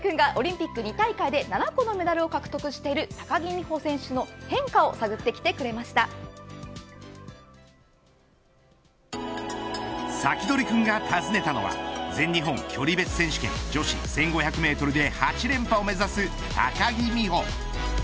サキドリくんがオリンピック２大会で７個のメダルを獲得している高木美帆選手のサキドリくんが訪ねたのは全日本距離別選手権女子１５００メートルで８連覇を目指す高木美帆。